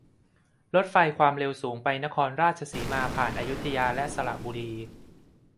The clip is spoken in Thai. รถไฟความเร็วสูงไปนครราชสีมา ผ่านอยุธยาและสระบุรี